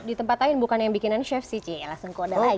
di tempat lain bukan yang bikinan chef sih cik ya lah sengkau ada lagi